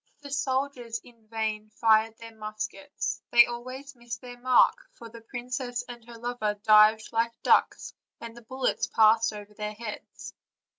" The soldiers in vain fired their muskets; they always missed their mark, for the princess and her lover dived like ducks, and the bullets passed over their heads.